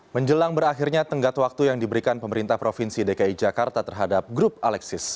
menjelang berakhirnya tenggat waktu yang diberikan pemerintah provinsi dki jakarta terhadap grup alexis